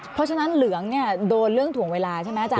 เพราะฉะนั้นเหลืองเนี่ยโดนเรื่องถ่วงเวลาใช่ไหมอาจาร